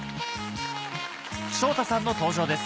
昇太さんの登場です